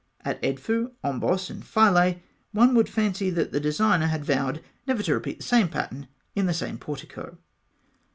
67.) At Edfû, Ombos, and Philae one would fancy that the designer had vowed never to repeat the same pattern in the same portico.